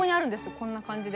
こんな感じで。